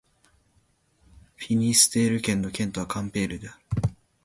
フィニステール県の県都はカンペールである